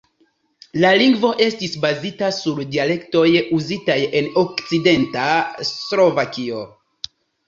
La lingvo estis bazita sur dialektoj uzitaj en okcidenta Slovakio.